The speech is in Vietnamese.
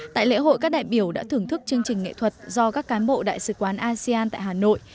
tại lễ hội các đại biểu đã thưởng thức chương trình nghệ thuật do các cán bộ đại sứ quán asean tại hà nội